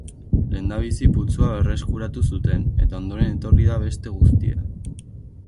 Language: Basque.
Lehendabizi putzua berreskuratu zuten, eta ondoren etorri da beste guztia.